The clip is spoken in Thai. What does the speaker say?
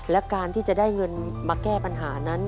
และการที่จะได้เงินมาแก้ปัญหานั้น